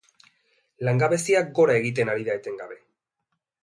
Langabezia gora egiten ari da etengabe.